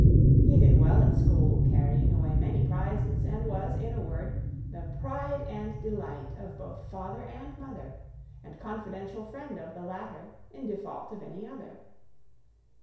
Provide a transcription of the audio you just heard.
He did well at school, carrying away many prizes; and was, in a word, the pride and delight of both father and mother; the confidential friend of the latter, in default of any other.